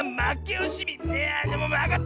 いやあでもわかった。